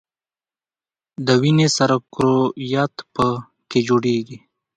د وینې سره کرویات په ... کې جوړیږي.